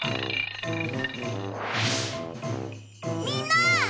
みんな！